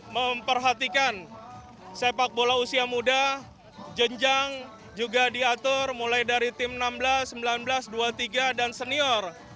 memperhatikan sepak bola usia muda jenjang juga diatur mulai dari tim enam belas sembilan belas dua puluh tiga dan senior